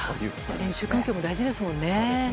練習環境も大事ですもんね。